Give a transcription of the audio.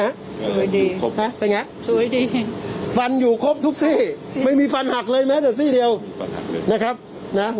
เอ่อศพไม่ได้ดูครับดูจากภาพถ่ายศพเลยครับนะครับนะครับ